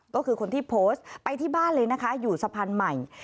ก็คือคนที่โพสต์ไปที่บ้านเลยนะคะอยู่สะพานใหม่